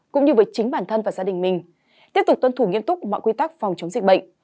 cũng như với chính bản thân và gia đình mình tiếp tục tuân thủ nghiêm túc mọi quy tắc phòng chống dịch bệnh